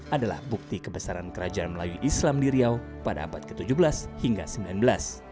adalah bukti kebesaran kerajaan melalui islam di riau pada abad ke tujuh belas hingga ke sembilan belas